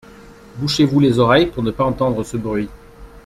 Bouchez-vous les oreilles pour ne pas entendre ce bruit.